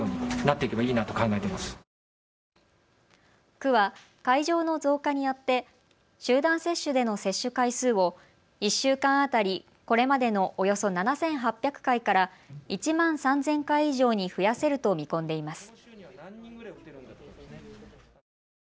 区は会場の増加によって集団接種での接種回数を１週間当たり、これまでのおよそ７８００回から１万３０００回以上に増やせると見込んでいます。